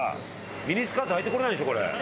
ミニスカートはいてこれないでしょこれ。